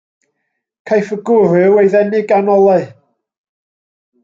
Caiff y gwryw ei ddenu gan olau.